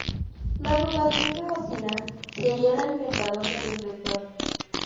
La agrupación de bocinas sería el alimentador del reflector.